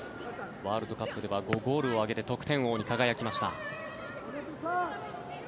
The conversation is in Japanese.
ワールドカップでは５ゴールを挙げて得点王に輝きました。